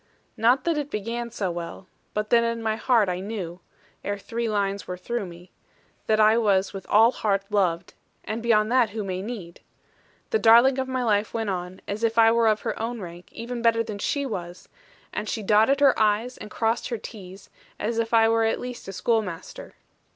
Not that it began so well; but that in my heart I knew (ere three lines were through me) that I was with all heart loved and beyond that, who may need? The darling of my life went on, as if I were of her own rank, or even better than she was; and she dotted her 'i's,' and crossed her 't's,' as if I were at least a schoolmaster.